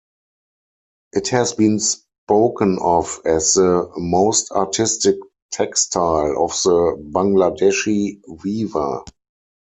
It has been spoken of as the most artistic textile of the Bangladeshi weaver.